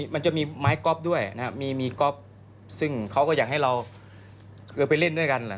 มันจะมีไม้ก๊อปด้วยมีก๊อปซึ่งเขาก็อยากให้เราไปเล่นด้วยกัน